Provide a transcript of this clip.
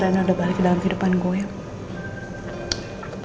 karena udah balik ke dalam kehidupan gue